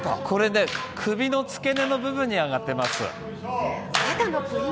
これ、首の付け根の部分に当たってます。